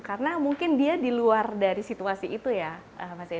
karena mungkin dia di luar dari situasi itu ya